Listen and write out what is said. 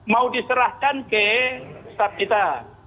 mau diserahkan ke staf kita